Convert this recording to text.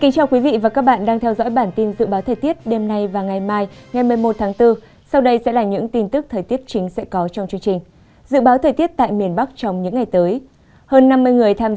các bạn hãy đăng ký kênh để ủng hộ kênh của chúng mình nhé